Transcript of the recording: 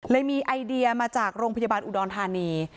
มีไอเดียมาจากโรงพยาบาลอุดรธานี